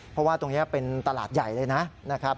เพราะว่าตรงนี้เป็นตลาดใหญ่เลยนะครับ